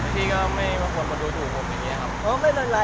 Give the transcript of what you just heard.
พี่ก็ไม่บางคนมาดูถูกผมอย่างนี้ครับ